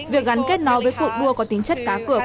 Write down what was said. việc gắn kết nó với cuộc đua có tính chất cá cược